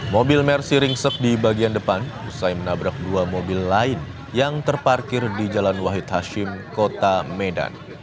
mobil mercy ringsek di bagian depan usai menabrak dua mobil lain yang terparkir di jalan wahid hashim kota medan